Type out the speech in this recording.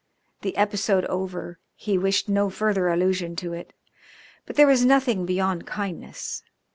The episode over, he wished no further allusion to it. But there was nothing beyond kindness.